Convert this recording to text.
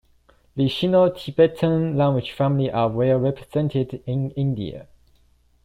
The Sino-Tibetan language family are well represented in India.